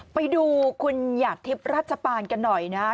ไปดูคุณหยาดทิพย์ราชปานกันหน่อยนะ